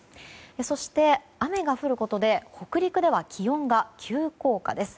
そして、雨が降ることで北陸では気温が急降下です。